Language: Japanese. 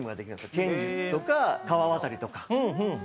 剣術とか川渡りとか。